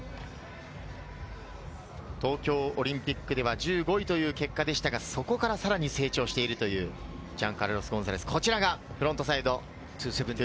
東京オリンピックでは１５位という結果でしたが、そこからさらに成長しているというジャンカルロス・ゴンザレス。